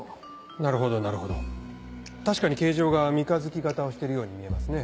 なるほどなるほど確かに形状が三日月形をしてるように見えますね。